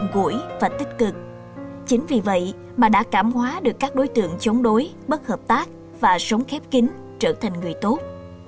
chính vì vậy mà đã cảm hóa được các đối tượng chống đối bất hợp tác và sống khép kính trở thành người tốt